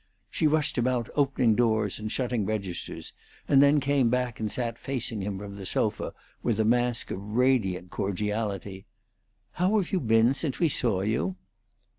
She rushed about opening doors and shutting registers, and then came back and sat facing him from the sofa with a mask of radiant cordiality. "How have you been since we saw you?"